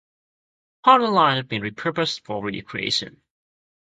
Part of the line had been repurposed for recreation.